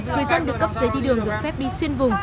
người dân được cấp giấy đi đường được phép đi xuyên vùng